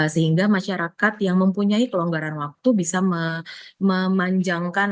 sehingga masyarakat yang mempunyai kelonggaran waktu bisa memanjangkan